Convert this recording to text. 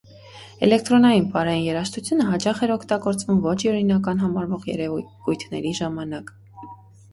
Էլեկտրոնային պարային երաժշտությունը հաճախ էր օգտագործվում ոչ օրինական համարվող եկեկույթների ժամանակ։